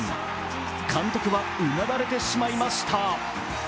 監督はうなだれてしまいました。